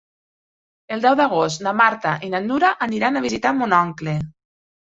El deu d'agost na Marta i na Nura aniran a visitar mon oncle.